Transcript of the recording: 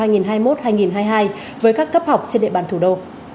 năm học hai nghìn hai mươi một hai nghìn hai mươi hai với các cấp học trên địa bàn thủ đô